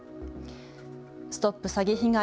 ＳＴＯＰ詐欺被害！